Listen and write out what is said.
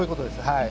はい。